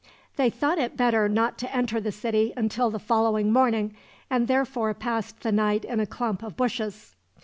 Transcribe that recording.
They thought it better not to enter the city until the following morning, and therefore passed the night in a clump of bushes.